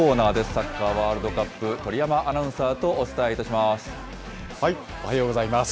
サッカーワールドカップ、鳥山アナウンサーとお伝えいたします。